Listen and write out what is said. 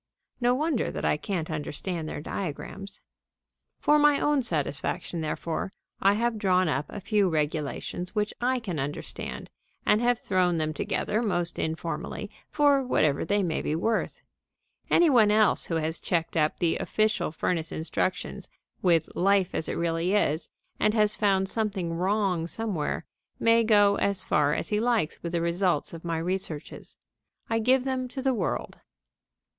No wonder that I can't understand their diagrams. For my own satisfaction, therefore, I have drawn up a few regulations which I can understand, and have thrown them together most informally for whatever they may be worth. Any one else who has checked up the official furnace instructions with Life as it really is and has found something wrong somewhere may go as far as he likes with the results of my researches. I give them to the world.